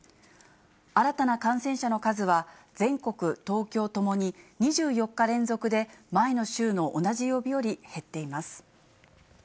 新たな感染者の数は、全国、東京ともに、２４日連続で、前の週の同じ曜日より減っています。